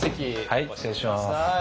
はい失礼します。